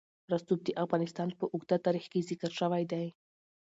رسوب د افغانستان په اوږده تاریخ کې ذکر شوی دی.